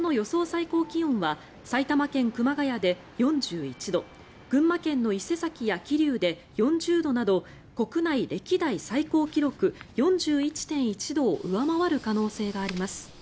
最高気温は埼玉県熊谷で４１度群馬県の伊勢崎や桐生で４０度など国内歴代最高記録４１．１度を上回る可能性があります。